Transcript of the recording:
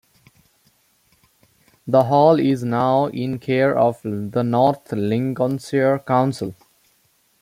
The hall is now in the care of the North Lincolnshire Council.